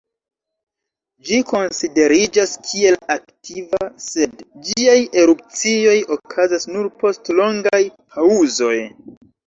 Ĝi konsideriĝas kiel aktiva, sed ĝiaj erupcioj okazas nur post longaj paŭzoj.